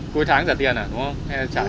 cuối tháng trả tiền hả đúng không hay là trả trước